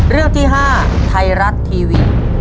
เรื่องที่ห้าไทรัตทีวี